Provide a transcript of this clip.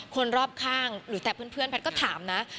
คนรอบข้างหรือแต่เพื่อนแพทย์ก็ถามนะ